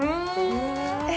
え！